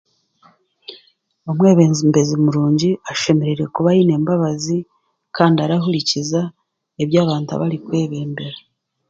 Omwebembezi murungi ashemereire kuba aine embabazi kandi arahurikiza ebi abantu abarikwebembera.